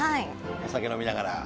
お酒飲みながら？